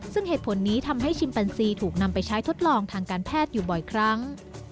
ซึ่งเหตุผลนี้ทำให้ชิมปันซีถูกนำไปใช้ทดลองทางการแพทย์อยู่บ่อยครั้ง